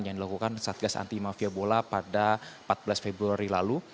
yang dilakukan satgas anti mafia bola pada empat belas februari lalu